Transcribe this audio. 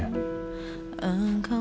aku mau ke sekolah